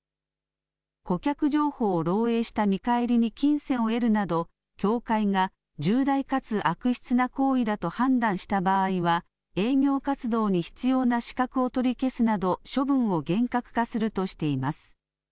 顧客情報を漏えいした見返りに金銭を得るなど協会が重大かつ悪質な行為だと判断した場合は営業活動に必要な資格を取り消すなど処分を厳格化するとしています。